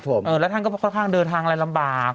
แล้วท่านก็ค่อนข้างเดินทางอะไรลำบาก